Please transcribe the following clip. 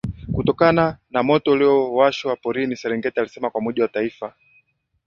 kutokana na moto uliowashwa porini Serengeti alisema kwa mujibu wa Taifa